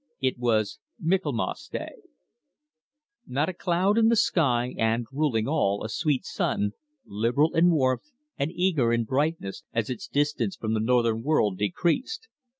IT WAS MICHAELMAS DAY Not a cloud in the sky, and, ruling all, a sweet sun, liberal in warmth and eager in brightness as its distance from the northern world decreased.